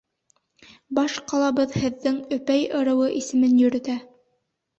Баш ҡалабыҙ һеҙҙең Өпәй ырыуы исемен йөрөтә.